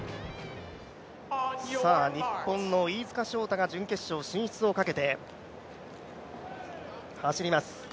日本の飯塚翔太が準決勝進出をかけて走ります。